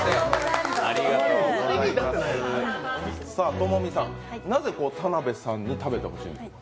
友美さん、なぜ田辺さんに食べてほしいんですか？